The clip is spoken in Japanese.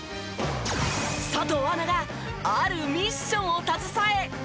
佐藤アナがあるミッションを携え舞台裏取材！